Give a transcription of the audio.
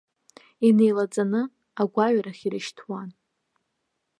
Инеилаҵаны, агәаҩарахь ирышьҭуан.